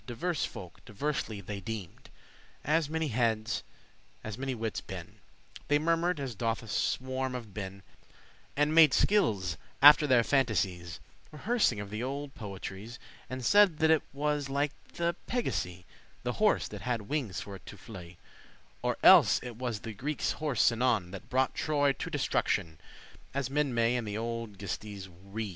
Diverse folk diversely they deem'd; As many heads, as many wittes been. They murmured, as doth a swarm of been,* *bees And made skills* after their fantasies, *reasons Rehearsing of the olde poetries, And said that it was like the Pegasee,* *Pegasus The horse that hadde winges for to flee;* *fly Or else it was the Greeke's horse Sinon,<14> That broughte Troye to destruction, As men may in the olde gestes* read.